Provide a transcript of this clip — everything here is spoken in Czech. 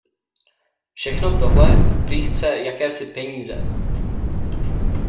Všechno tohle prý chce jakési peníze.